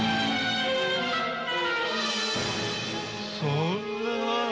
そんな。